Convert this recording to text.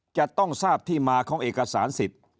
จะต้องทราบที่มาของเอกสารสิทธิ์